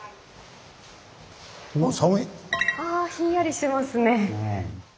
あひんやりしてますね。